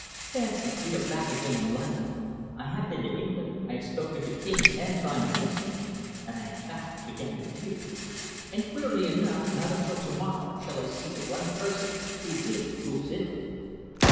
Fancy, we are back again in London! I have been to Italy, I have spoken to kings and prime ministers, and I am back again with you. And queerly enough, not until to morrow shall I see the one person who really rules Italy."